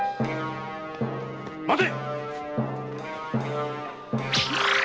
待て！